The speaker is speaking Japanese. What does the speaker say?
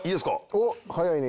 おっ早いね。